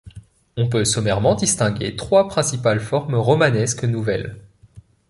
On peut sommairement distinguer trois principales formes romanesques nouvelles.